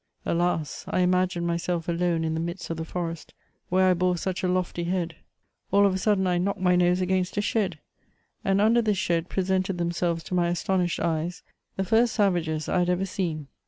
Alas ! I imagined myself alone in the midst of the forest, where I hore such a lofty head ! All of a sudden I knocked my nose against a shed, and under this shed presented themselves to my astonished eyes the first savages I had ever seen.